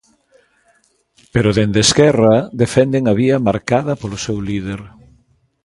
Pero dende Esquerra defenden a vía marcada polo seu líder.